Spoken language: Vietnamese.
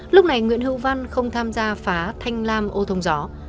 lúc này nguyễn hữu văn không tham gia phá thanh lam ô thông gió